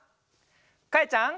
かえちゃん。